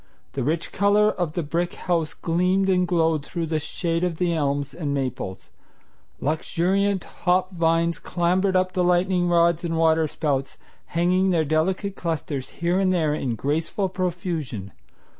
The rich color of the brick house gleamed and glowed through the shade of the elms and maples. Luxuriant hop vines clambered up the lightning rods and water spouts, hanging their delicate clusters here and there in graceful profusion.